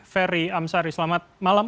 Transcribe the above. ferry amsari selamat malam